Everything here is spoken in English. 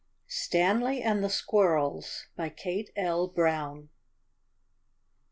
STANLEY AND THE SQUIRRELS. BY KATB L. BROWN.